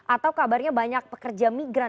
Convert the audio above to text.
atau kabarnya banyak pekerja migran